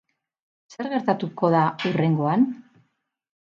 Zer gertatuko da hurrengoan?